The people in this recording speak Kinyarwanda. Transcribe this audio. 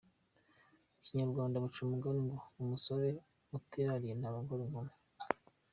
Mu kinayrwanda baca umugani ngo umusore utiraririye ntarongora inkumi.